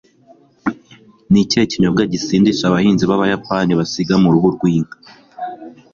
Ni ikihe kinyobwa gisindisha abahinzi b'Abayapani basiga mu ruhu rw'inka